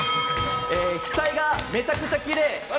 額がめちゃめちゃきれい。